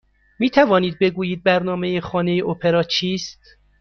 می توانید بگویید برنامه خانه اپرا چیست؟